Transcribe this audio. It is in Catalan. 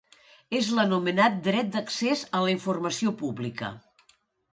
És l'anomenat dret d'accés a la informació pública.